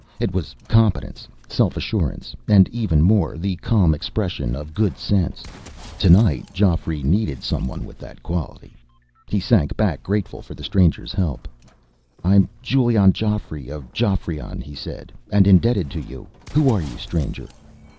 It was competence, self assurance, and, even more, the calm expression of good sense. Tonight, Geoffrey needed someone with that quality. He sank back, grateful for the stranger's help. "I'm Giulion Geoffrey of Geoffrion," he said, "and indebted to you. Who are you, stranger?"